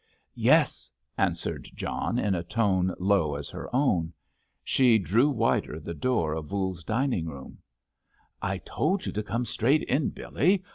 "Yes," answered John in a tone low as her own. She drew wider the door of Voules's dining room. "I told you to come straight in, Billy.